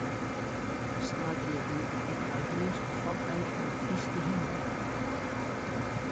Saterdei wie der yn Blauhûs in fokdei fan it Fryske hynder.